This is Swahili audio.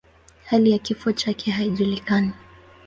Hali ya kifo chake haijulikani.